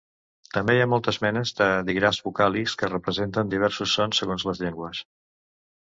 També hi ha moltes menes de dígrafs vocàlics que representen diversos sons segons les llengües.